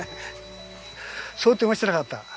想定もしてなかった。